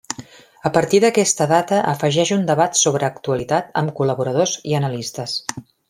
A partir d'aquesta data afegeix un debat sobre actualitat amb col·laboradors i analistes.